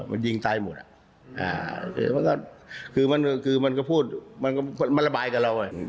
มันยิงตายหมดอะมันก็ปูส์มาระบายกันเราดี